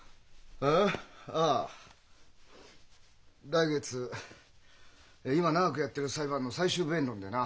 来月今長くやってる裁判の最終弁論でな。